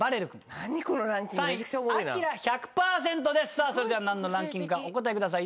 さあそれでは何のランキングかお答えください。